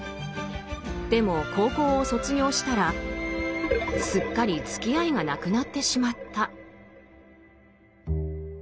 でも高校を卒業したらすっかりつきあいがなくなってしまった。